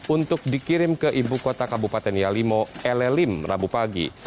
untuk dikirim ke ibu kota kabupaten yalimo elelim rabu pagi